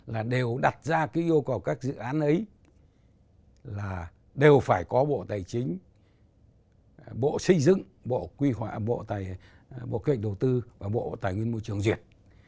là đều đặt ra cái yêu cầu các dự án ấy là đều phải có bộ tài chính bộ xây dựng bộ quy hoạch bộ kế hoạch đầu tư và bộ tài nguyên môi trường duyệt